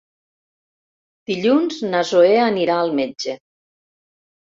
Dilluns na Zoè anirà al metge.